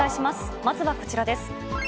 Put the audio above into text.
まずはこちらです。